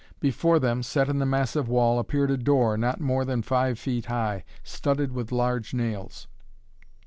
Before them, set in the massive wall, appeared a door not more than five feet high, studded with large nails.